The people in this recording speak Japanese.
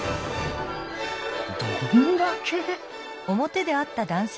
どんだけ！？